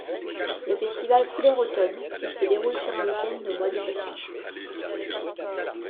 Le Festival Couleur-Automne, il se déroule sur un week-end au mois de septembre.